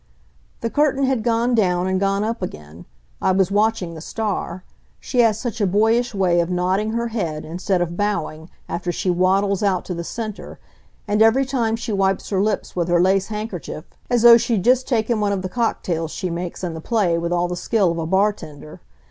The curtain had gone down and gone up again. I was watching the star. She has such a boyish way of nodding her head, instead of bowing, after she waddles out to the center; and every time she wipes her lips with her lace handkerchief, as though she'd just taken one of the cocktails she makes in the play with all the skill of a bartender.